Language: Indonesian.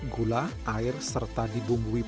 gula air serta dibumbui